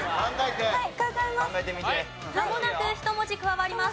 まもなく１文字加わります。